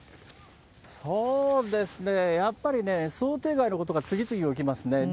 やっぱりね、想定外のことが次々起きますね。